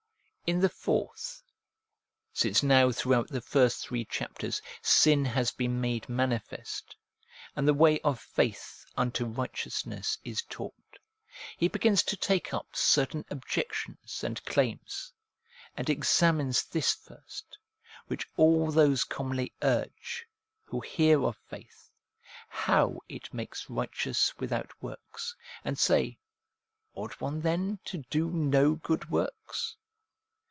In the fourth, since now throughout the first three chapters sin has been made manifest, and the way of faith unto righteousness is taught, he begins to take up certain objections and claims, and examines this first, which all those commonly urge, who hear of faith, how it makes righteous without works, and say, ' Ought one then to do no good works